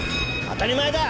当たり前だ！